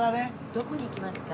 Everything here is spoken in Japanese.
どこに行きますか？